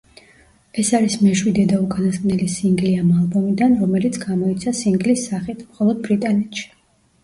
ეს არის მეშვიდე და უკანასკნელი სინგლი ამ ალბომიდან, რომელიც გამოიცა სინგლის სახით, მხოლოდ ბრიტანეთში.